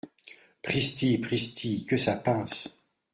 Pristi ! pristi !… que ça pince !